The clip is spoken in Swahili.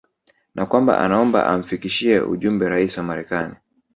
na kwamba anaomba amfikishie ujumbe Rais wa Marekani